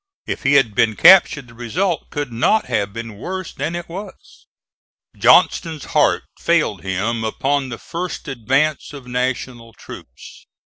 If he had been captured the result could not have been worse than it was. Johnston's heart failed him upon the first advance of National troops.